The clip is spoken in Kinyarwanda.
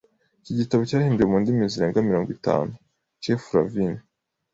Iki gitabo cyahinduwe mu ndimi zirenga mirongo itanu. (kflavin)